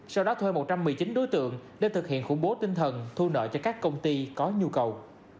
sau đó thuê một trăm một mươi chín đối tượng để thực hiện khủng bố tinh thần thu nợ cho các công ty có nhu cầu